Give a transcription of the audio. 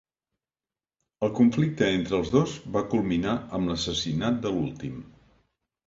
El conflicte entre els dos va culminar amb l'assassinat de l'últim.